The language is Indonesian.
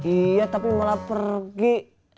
iya tapi malah pergi